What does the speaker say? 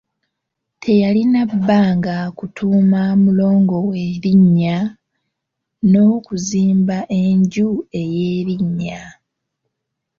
Teyalina bbanga kutuuma mulongo we linnya, n'okuzimbaenju ey'erinnya.